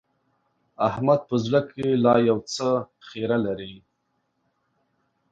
احمد په زړه کې لا يو څه خيره لري.